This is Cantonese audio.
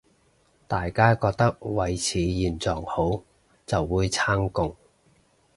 大家覺得維持現狀好，就會撐共